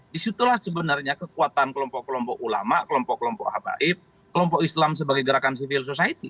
disitulah sebenarnya kekuatan kelompok kelompok ulama kelompok kelompok habaib kelompok islam sebagai gerakan civil society